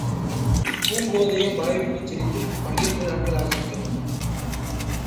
பூங்கோதையும் வாய்விட்டுச் சிரித்துப் பன்னிரண்டு நாட்கள் ஆகிவிட்டன.